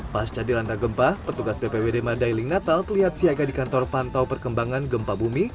pasca dilanda gempa petugas ppwd madailing natal terlihat siaga di kantor pantau perkembangan gempa bumi